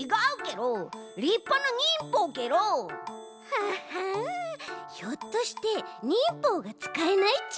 ははんひょっとして忍法がつかえないち？